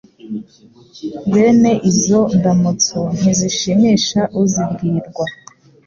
bene izo ndamutso ntizishimisha uzibwirwa